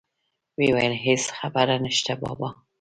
ويې ويل هېڅ خبره نشته بابا.